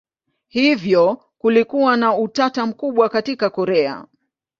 Hivyo kulikuwa na utata mkubwa katika Korea.